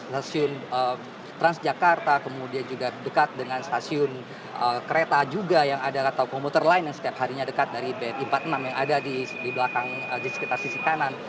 stasiun transjakarta kemudian juga dekat dengan stasiun kereta juga yang ada atau komuter lain yang setiap harinya dekat dari bni empat puluh enam yang ada di belakang di sekitar sisi kanan